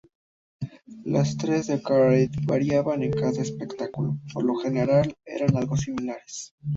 Los trajes de Carey variaban en cada espectáculo, por lo general eran algo similares.